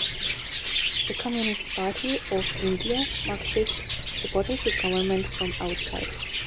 The Communist Party of India (Marxist) supported the government from outside.